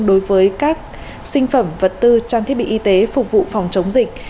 đối với các sinh phẩm vật tư trang thiết bị y tế phục vụ phòng chống dịch